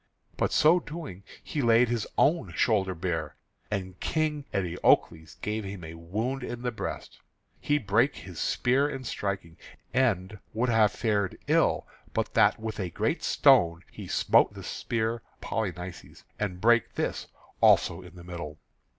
But so doing he laid his own shoulder bare, and King Eteocles gave him a wound in the breast. He brake his spear in striking, and would have fared ill but that with a great stone he smote the spear of Polynices, and brake this also in the middle.